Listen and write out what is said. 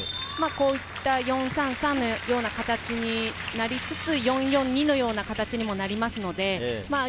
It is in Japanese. ４−３−３のような形になりつつ、４−４−２のような形にもなります。